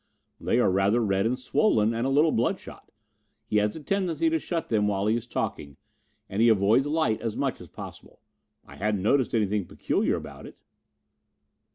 "They are rather red and swollen and a little bloodshot. He has a tendency to shut them while he is talking and he avoids light as much as possible. I hadn't noticed anything peculiar about it."